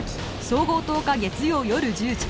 総合１０日月曜夜１０時